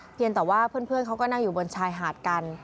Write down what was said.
เพียงแต่ว่าเพื่อนเขาก็นั่งอยู่บนชายหาดกัน